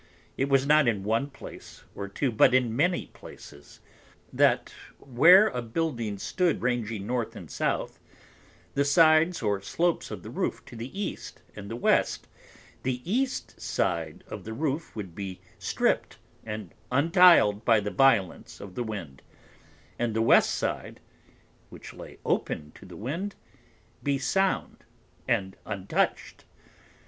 It was not in one Place or Two, but in many Places; that where a Building stood ranging North and South, the Sides or Slopes of the Roof to the East and the West, the East side of the Roof would be stript and untiled by the Violence of the Wind; and the West Side, which lay open to the Wind, be sound and untouch'd.